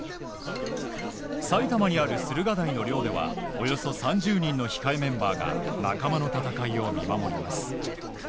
埼玉にある駿河台の寮ではおよそ３０人の控えメンバーが仲間の戦いを見守ります。